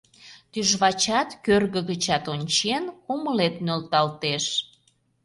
Тӱжвачат, кӧргӧ гычат ончен, кумылет нӧлталтеш.